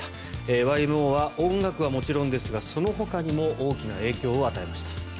ＹＭＯは音楽はもちろんですがそのほかにも大きな影響を与えました。